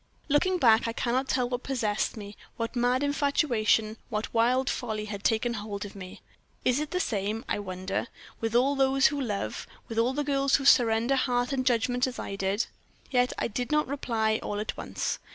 "Looking back, I cannot tell what possessed me what mad infatuation, what wild folly had taken hold of me. Is it the same, I wonder, with all those who love with all girls who surrender heart and judgment as I did? Yet I did not reply all at once.